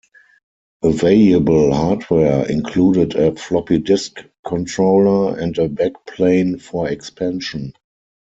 Available hardware included a floppy disk controller and a backplane for expansion.